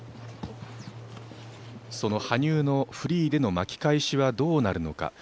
その羽生のフリーでの巻き返しはどうなるのか。